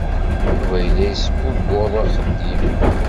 Yuba yella yesbubbuḍ axeddim.